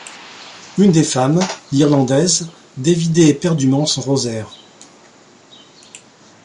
Une des femmes, l’irlandaise, dévidait éperdument son rosaire.